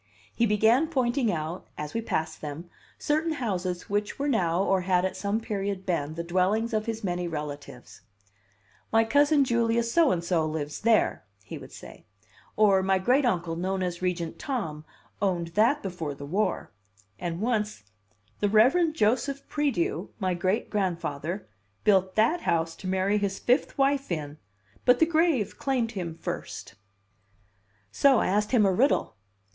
He began pointing out, as we passed them, certain houses which were now, or had at some period been, the dwellings of his many relatives: "My cousin Julia So and so lives there," he would say; or, "My great uncle, known as Regent Tom, owned that before the War"; and once, "The Rev. Joseph Priedieu, my great grandfather, built that house to marry his fifth wife in, but the grave claimed him first." So I asked him a riddle.